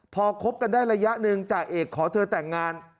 พอคบกันได้ระยะหนึ่งจ่าเอกขอเธอแต่งงาน